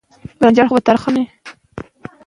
اوبزین معدنونه د افغان کلتور سره تړاو لري.